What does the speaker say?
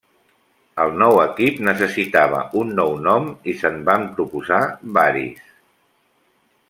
El nou equip necessitava un nou nom i se'n van proposar varis.